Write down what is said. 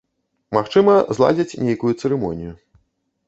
Магчыма, зладзяць нейкую цырымонію.